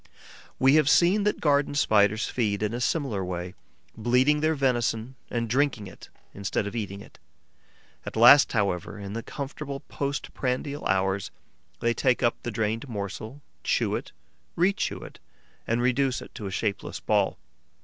We have seen that Garden Spiders feed in a similar way, bleeding their venison and drinking it instead of eating it. At last, however, in the comfortable post prandial hours, they take up the drained morsel, chew it, rechew it and reduce it to a shapeless ball.